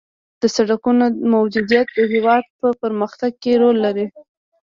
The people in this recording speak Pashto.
د سرکونو موجودیت د هېواد په پرمختګ کې رول لري